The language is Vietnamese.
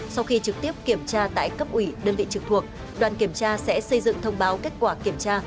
sau khi trực tiếp kiểm tra tại cấp ủy đơn vị trực thuộc đoàn kiểm tra sẽ xây dựng thông báo kết quả kiểm tra